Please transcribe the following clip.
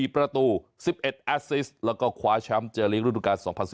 ๔ประตู๑๑อาซิสต์แล้วก็ขวาช้ำเจอเลี้ยงรูดุการณ์๒๐๑๙